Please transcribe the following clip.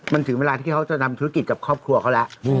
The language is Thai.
มันถึงเวลาที่เขาจะทำธุรกิจกับครอบครัวเขาแล้ว